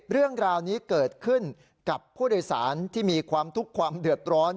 เรื่องราวนี้เกิดขึ้นกับผู้โดยสารที่มีความทุกข์ความเดือดร้อน